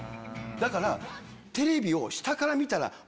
だから。